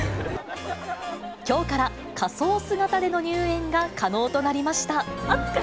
きょうから仮装姿での入園が可能となりました。